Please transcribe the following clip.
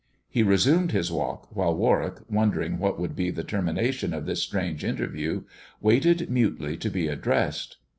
He resumed his walk, while Warwick, wondering what would be the termination of this strange interview, waited mutely to be addressed.